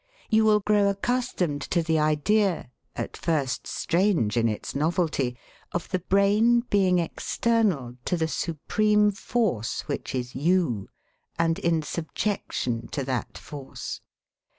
You will grow accustomed to the idea, at first strange in its novelty, of the brain being external to the supreme force which is you, and in subjection to that force.